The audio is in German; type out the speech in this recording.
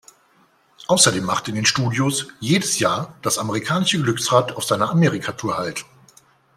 Außerdem macht in den Studios jedes Jahr das amerikanische Glücksrad auf seiner Amerika-Tour Halt.